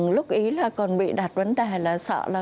lúc ý là còn bị đặt vấn đề là sợ là